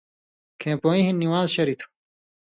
کھَیں پُیں ہِن نِوان٘ز شریۡ تھُو۔